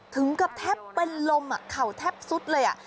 ถึงกับแทบเป็นลมเข่าแทบสุดเลย